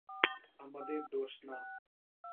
আমাদের দোষ না?